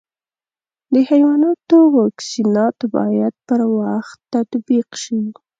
د حیواناتو واکسینات باید پر وخت تطبیق شي.